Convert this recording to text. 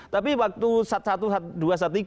tapi waktu sat satu sat dua sat tiga